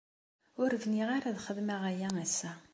Ur bniɣ ara ad xedmeɣ aya ass-a.